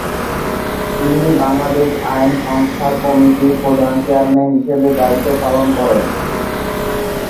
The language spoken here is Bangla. তিনি বাংলাদেশ আইন সংস্কার কমিটির প্রথম চেয়ারম্যান হিসাবেও দায়িত্ব পালন করেন।